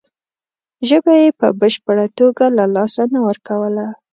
ژبه یې په بشپړه توګه له لاسه نه ورکوله.